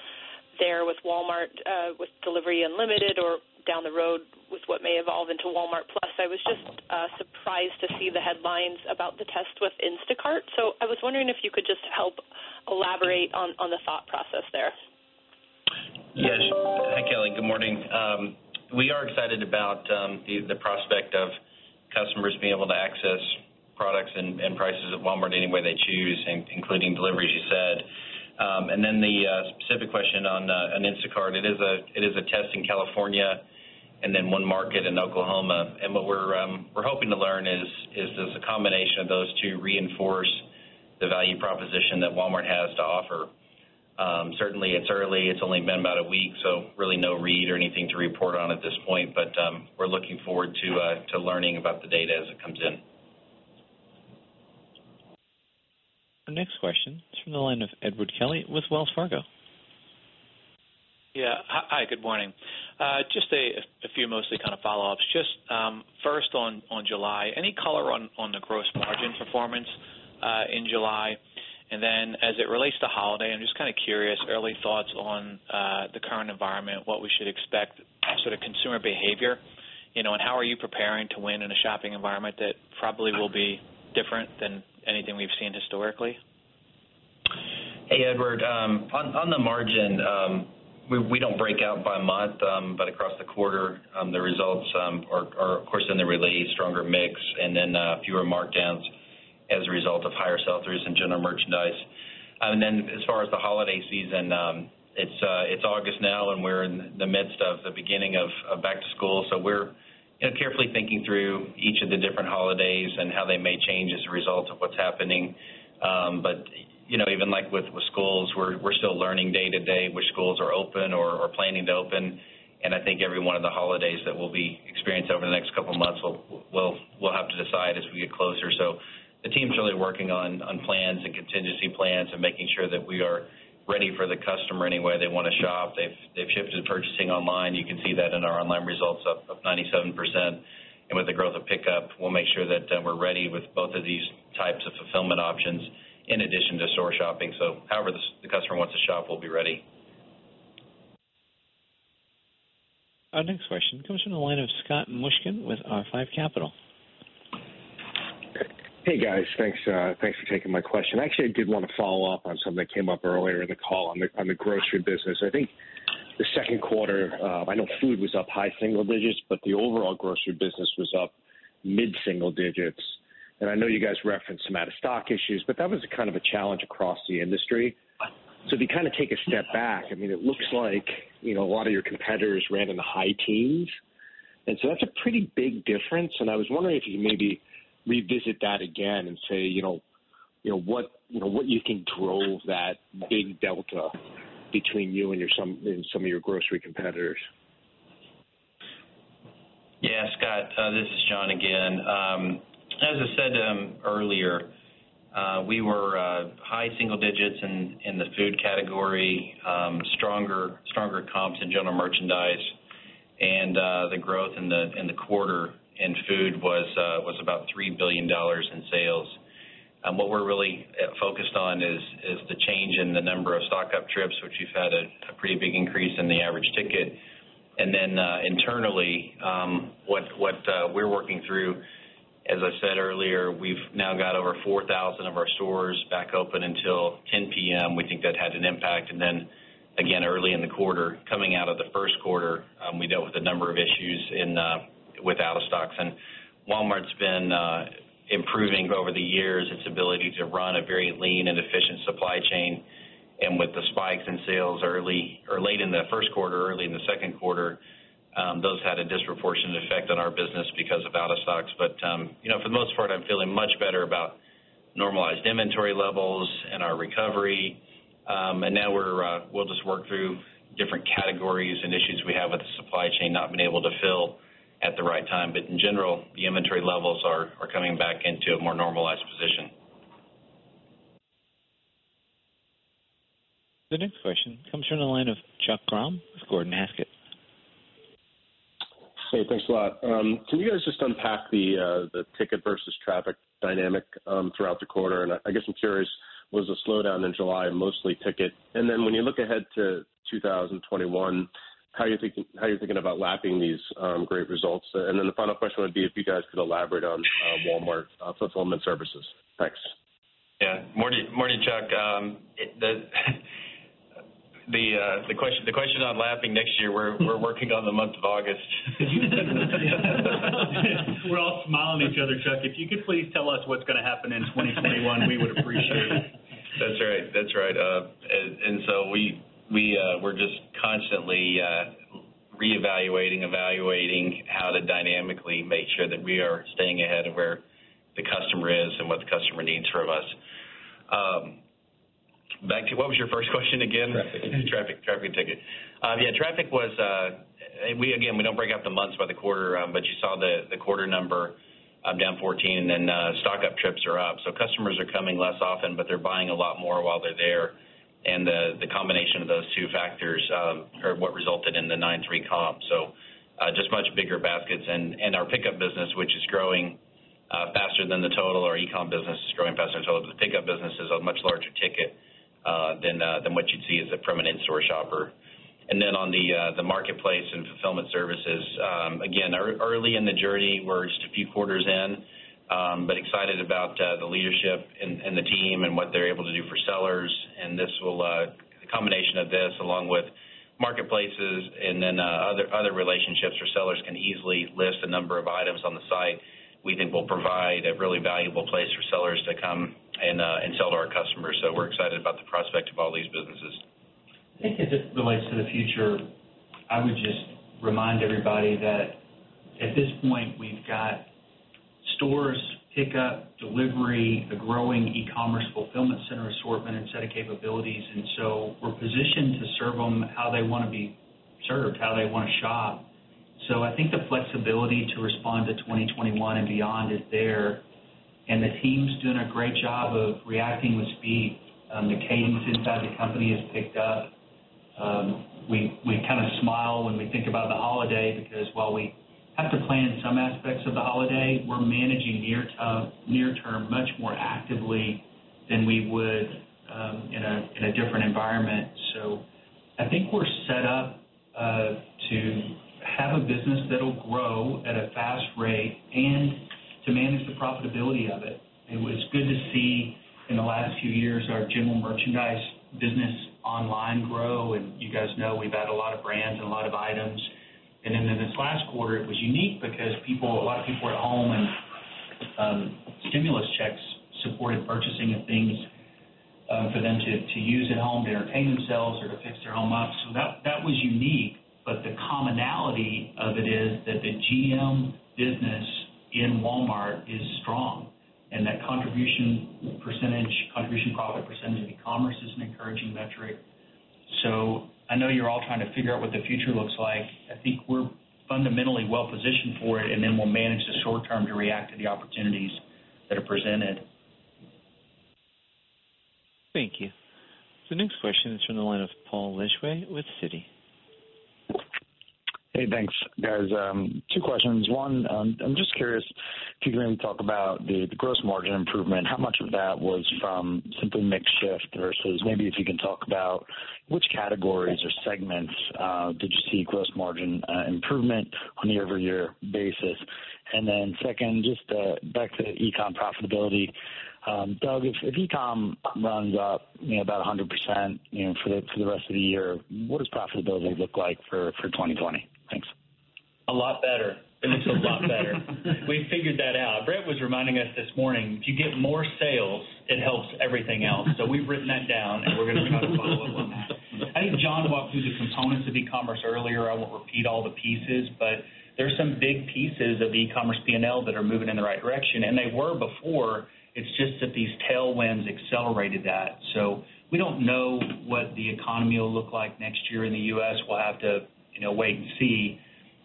there with Walmart, with Delivery Unlimited or down the road with what may evolve into Walmart+, I was just surprised to see the headlines about the test with Instacart. I was wondering if you could just help elaborate on the thought process there. Yes. Hi, Kelly. Good morning. We are excited about the prospect of customers being able to access products and prices at Walmart any way they choose, including delivery, as you said. The specific question on Instacart, it is a test in California and then one market in Oklahoma. What we're hoping to learn is, does the combination of those two reinforce the value proposition that Walmart has to offer? Certainly, it's early. It's only been about a week, so really no read or anything to report on at this point. We're looking forward to learning about the data as it comes in. Our next question is from the line of Edward Kelly with Wells Fargo. Yeah. Hi. Good morning. Just a few mostly kind of follow-ups. Just first on July, any color on the gross margin performance in July? As it relates to holiday, I'm just kind of curious, early thoughts on the current environment, what we should expect, sort of consumer behavior. How are you preparing to win in a shopping environment that probably will be different than anything we've seen historically? Hey, Edward. On the margin, we don't break out by month, but across the quarter, the results are, of course, then they relate stronger mix and then fewer markdowns as a result of higher sell-throughs in general merchandise. As far as the holiday season, it's August now, and we're in the midst of the beginning of back to school. We're carefully thinking through each of the different holidays and how they may change as a result of what's happening. Even with schools, we're still learning day to day which schools are open or are planning to open. I think every one of the holidays that we'll be experiencing over the next couple of months, we'll have to decide as we get closer. The team's really working on plans and contingency plans and making sure that we are ready for the customer any way they want to shop. They've shifted to purchasing online. You can see that in our online results of 97%. With the growth of pickup, we'll make sure that we're ready with both of these types of fulfillment options in addition to store shopping. However the customer wants to shop, we'll be ready. Our next question comes from the line of Scott Mushkin with R5 Capital. Hey, guys. Thanks for taking my question. Actually, I did want to follow up on something that came up earlier in the call on the grocery business. I think the second quarter, I know food was up high single digits, but the overall grocery business was up mid-single digits. I know you guys referenced some out-of-stock issues, but that was kind of a challenge across the industry. If you kind of take a step back, it looks like a lot of your competitors ran in the high teens, and so that's a pretty big difference, and I was wondering if you could maybe revisit that again and say what you think drove that big delta between you and some of your grocery competitors. Yeah, Scott. This is John again. As I said earlier, we were high single digits in the food category, stronger comps in general merchandise. The growth in the quarter in food was about $3 billion in sales. What we're really focused on is the change in the number of stock-up trips, which we've had a pretty big increase in the average ticket. Internally, what we're working through, as I said earlier, we've now got over 4,000 of our stores back open until 10:00 P.M. We think that had an impact. Again, early in the quarter, coming out of the first quarter, we dealt with a number of issues with out-of-stocks. Walmart's been improving over the years its ability to run a very lean and efficient supply chain. With the spikes in sales late in the first quarter, early in the second quarter, those had a disproportionate effect on our business because of out-of-stocks. For the most part, I'm feeling much better about normalized inventory levels and our recovery. Now we'll just work through different categories and issues we have with the supply chain not being able to fill at the right time. In general, the inventory levels are coming back into a more normalized position. The next question comes from the line of Chuck Grom with Gordon Haskett. Hey, thanks a lot. Can you guys just unpack the ticket versus traffic dynamic throughout the quarter? I guess I'm curious, was the slowdown in July mostly ticket? When you look ahead to 2021, how are you thinking about lapping these great results? The final question would be if you guys could elaborate on Walmart Fulfillment Services. Thanks. Yeah. Morning, Chuck. The question on lapping next year, we're working on the month of August. All these other checks, if you could please tell us what's going to happen in 2021, we would appreciate it. That's right. We're just constantly reevaluating, evaluating how to dynamically make sure that we are staying ahead of where the customer is and what the customer needs from us. Back to, what was your first question again? Traffic. Traffic ticket. Yeah, traffic was-- Again, we don't break up the months by the quarter, but you saw the quarter number down 14 and then stock-up trips are up. Customers are coming less often, but they're buying a lot more while they're there. The combination of those two factors are what resulted in the 9.3 comp. Just much bigger baskets. Our pickup business, which is growing faster than the total. Our e-com business is growing faster than total, but the pickup business is a much larger ticket than what you'd see is from an in-store shopper. On the marketplace and fulfillment services, again, early in the journey. We're just a few quarters in, but excited about the leadership and the team and what they're able to do for sellers, and the combination of this along with marketplaces and then other relationships where sellers can easily list a number of items on the site, we think will provide a really valuable place for sellers to come and sell to our customers. We're excited about the prospect of all these businesses. I think as it relates to the future, I would just remind everybody that at this point, we've got stores, pickup, delivery, a growing e-commerce fulfillment center assortment and set of capabilities. We're positioned to serve them how they want to be served, how they want to shop. I think the flexibility to respond to 2021 and beyond is there, and the team's doing a great job of reacting with speed. The cadence inside the company has picked up. We kind of smile when we think about the holiday because while we have to plan some aspects of the holiday, we're managing near term much more actively than we would in a different environment. I think we're set up to have a business that'll grow at a fast rate and to manage the profitability of it. It was good to see in the last few years, our General Merchandise business online grow. You guys know we've added a lot of brands and a lot of items. In this last quarter, it was unique because a lot of people were at home and stimulus checks supported purchasing of things for them to use at home to entertain themselves or to fix their home up. That was unique, but the commonality of it is that the GM business in Walmart is strong, and that contribution profit percentage in e-commerce is an encouraging metric. I know you're all trying to figure out what the future looks like. I think we're fundamentally well-positioned for it. We'll manage the short term to react to the opportunities that are presented. Thank you. Next question is from the line of Paul Lejuez with Citi. Hey, thanks. Guys, two questions. I'm just curious if you can talk about the gross margin improvement, how much of that was from simply mix shift versus maybe if you can talk about which categories or segments did you see gross margin improvement on a year-over-year basis? Second, just back to the e-com profitability. Doug, if e-com runs up about 100% for the rest of the year, what does profitability look like for 2020? Thanks. A lot better. A lot better. We've figured that out. Brett was reminding us this morning, if you get more sales, it helps everything else. We've written that down and we're going to try to follow up on that. I think John walked through the components of e-commerce earlier. I won't repeat all the pieces, but there's some big pieces of e-commerce P&L that are moving in the right direction, and they were before, it's just that these tailwinds accelerated that. We don't know what the economy will look like next year in the U.S. We'll have to wait and see.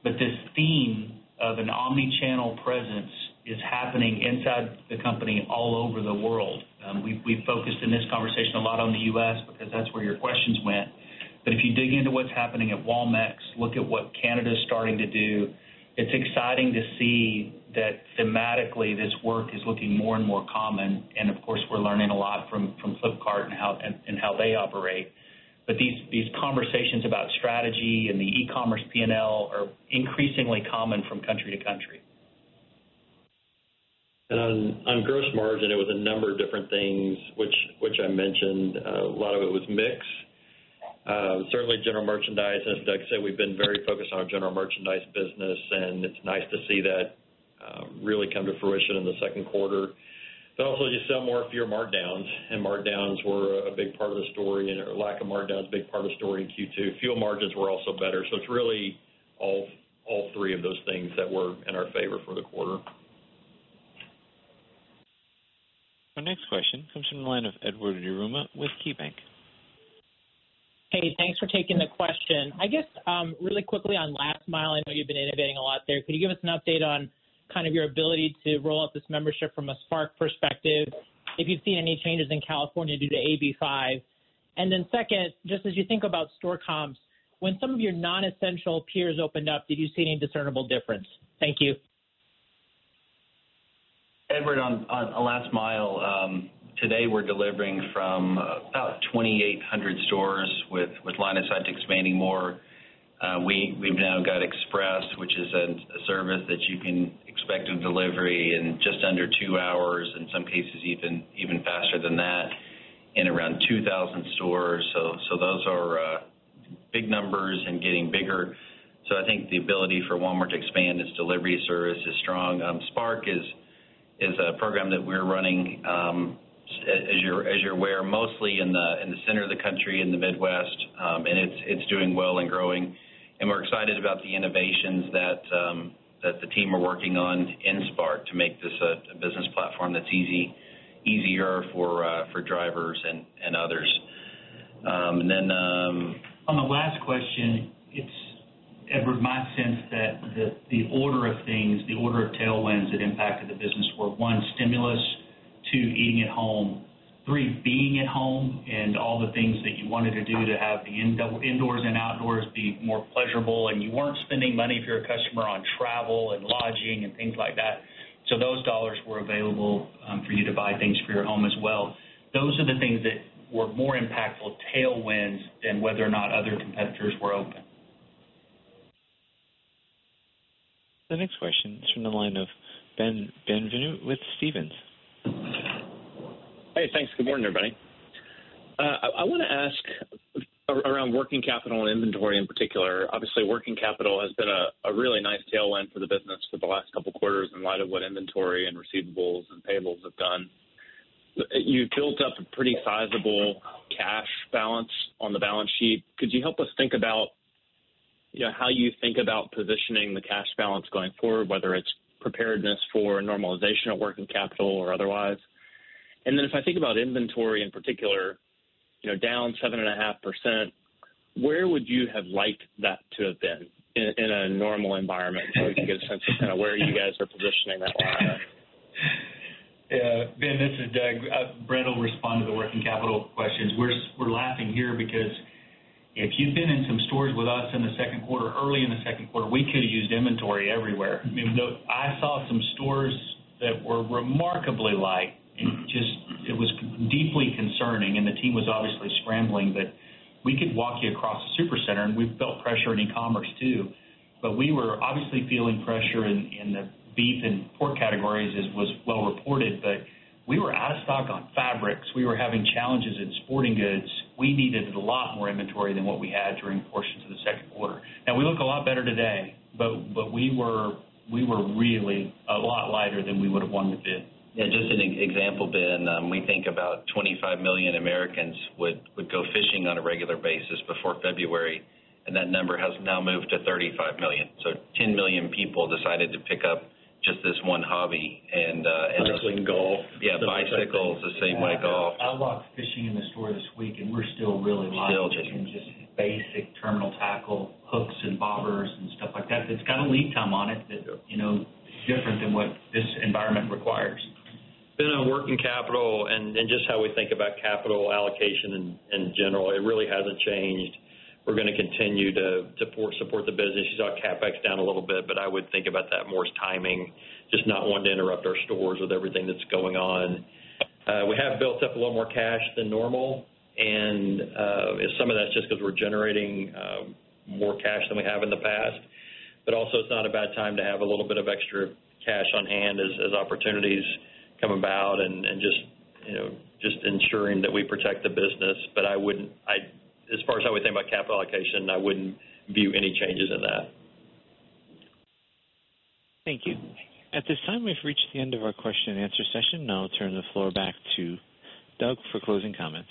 This theme of an omni-channel presence is happening inside the company all over the world. We've focused in this conversation a lot on the U.S. because that's where your questions went. If you dig into what's happening at Walmex, look at what Canada's starting to do, it's exciting to see that thematically, this work is looking more and more common. Of course, we're learning a lot from Flipkart and how they operate. These conversations about strategy and the e-commerce P&L are increasingly common from country to country. On gross margin, it was a number of different things, which I mentioned. A lot of it was mix. Certainly general merchandise, as Doug said, we've been very focused on our general merchandise business, and it's nice to see that really come to fruition in the second quarter. Also you sell more if you have markdowns, and markdowns were a big part of the story, or lack of markdowns, a big part of the story in Q2. Fuel margins were also better. It's really all three of those things that were in our favor for the quarter. Our next question comes from the line of Edward Yruma with KeyBanc Capital Markets. Hey, thanks for taking the question. I guess, really quickly on Last Mile, I know you've been innovating a lot there. Could you give us an update on kind of your ability to roll out this membership from a Spark perspective, if you've seen any changes in California due to AB5? Then second, just as you think about store comps, when some of your non-essential peers opened up, did you see any discernible difference? Thank you. Edward, on Last Mile, today we're delivering from about 2,800 stores with line of sight to expanding more. We've now got Express, which is a service that you can expect a delivery in just under two hours, in some cases even faster than that, in around 2,000 stores. Those are big numbers and getting bigger. I think the ability for Walmart to expand its delivery service is strong. Spark is a program that we're running, as you're aware, mostly in the center of the country, in the Midwest. It's doing well and growing, and we're excited about the innovations that the team are working on in Spark to make this a business platform that's easier for drivers and others. On the last question, it's, Edward, my sense that the order of things, the order of tailwinds that impacted the business were, one, stimulus, two, eating at home, three, being at home and all the things that you wanted to do to have the indoors and outdoors be more pleasurable. You weren't spending money if you're a customer on travel and lodging and things like that. Those dollars were available for you to buy things for your home as well. Those are the things that were more impactful tailwinds than whether or not other competitors were open. The next question is from the line of Ben Bienvenu with Stephens. Hey, thanks. Good morning, everybody. I want to ask around working capital and inventory in particular. Working capital has been a really nice tailwind for the business for the last couple of quarters in light of what inventory and receivables and payables have done. You've built up a pretty sizable cash balance on the balance sheet. Could you help us think about how you think about positioning the cash balance going forward, whether it's preparedness for normalization of working capital or otherwise? If I think about inventory in particular, down 7.5%, where would you have liked that to have been in a normal environment, so we can get a sense of where you guys are positioning that buyback? Ben, this is Doug. Brett will respond to the working capital questions. We're laughing here because if you'd been in some stores with us in the second quarter, early in the second quarter, we could've used inventory everywhere. I saw some stores that were remarkably light. It was deeply concerning, and the team was obviously scrambling. We could walk you across a Supercenter, and we felt pressure in e-commerce, too. We were obviously feeling pressure in the beef and pork categories, as was well reported, but we were out of stock on fabrics. We were having challenges in sporting goods. We needed a lot more inventory than what we had during portions of the second quarter. Now, we look a lot better today, but we were really a lot lighter than we would've wanted to be. Yeah, just an example, Ben. We think about 25 million Americans would go fishing on a regular basis before February, and that number has now moved to 35 million. 10 million people decided to pick up just this one hobby. Bicycles and golf. Yeah, bicycles. The same with golf. I walked fishing in the store this week, and we're still really light. Still just- on just basic terminal tackle, hooks and bobbers and stuff like that's got a lead time on it that's different than what this environment requires. Ben, on working capital and just how we think about capital allocation in general, it really hasn't changed. We're going to continue to support the business. You saw CapEx down a little bit, but I would think about that more as timing, just not wanting to interrupt our stores with everything that's going on. We have built up a little more cash than normal, and some of that's just because we're generating more cash than we have in the past. Also, it's not a bad time to have a little bit of extra cash on hand as opportunities come about and just ensuring that we protect the business. As far as I would think about capital allocation, I wouldn't view any changes in that. Thank you. At this time, we've reached the end of our question and answer session. Now I'll turn the floor back to Doug for closing comments.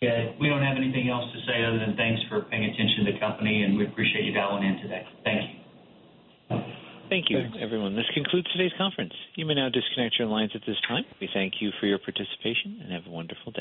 Yeah. We don't have anything else to say other than thanks for paying attention to the company, and we appreciate you dialing in today. Thank you. Thanks. Thank you, everyone. This concludes today's conference. You may now disconnect your lines at this time. We thank you for your participation, and have a wonderful day.